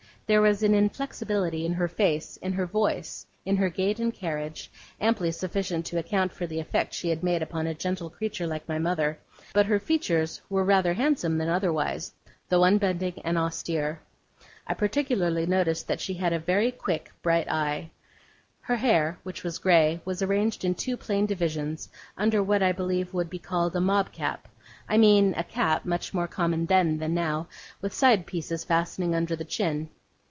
There was an inflexibility in her face, in her voice, in her gait and carriage, amply sufficient to account for the effect she had made upon a gentle creature like my mother; but her features were rather handsome than otherwise, though unbending and austere. I particularly noticed that she had a very quick, bright eye. Her hair, which was grey, was arranged in two plain divisions, under what I believe would be called a mob cap; I mean a cap, much more common then than now, with side pieces fastening under the chin.